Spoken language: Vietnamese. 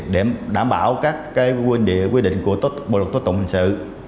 để đảm bảo các quy định của bộ luật tốt tụng hình sự